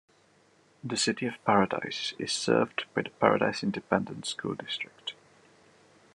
The City of Paradise is served by the Paradise Independent School District.